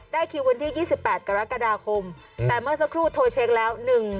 คิววันที่๒๘กรกฎาคมแต่เมื่อสักครู่โทรเช็คแล้ว